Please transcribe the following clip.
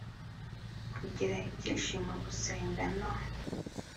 kugira ibyishimo gusenga no